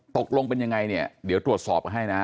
ตกลงเป็นยังไงเนี่ยเดี๋ยวตรวจสอบให้นะ